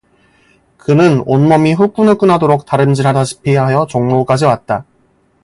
그는 온몸이 후끈후끈하도록 달음질하다시피 하여 종로까지 왔다.